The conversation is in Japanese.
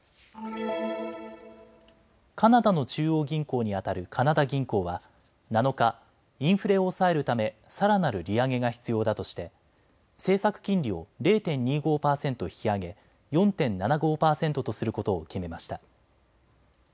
カナダの中央銀行にあたるカナダ銀行は７日、インフレを抑えるためさらなる利上げが必要だとして政策金利を０．２５％引き上げ４．７５％とすることを決めました。